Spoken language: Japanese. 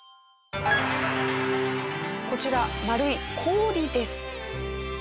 こちら丸い氷です。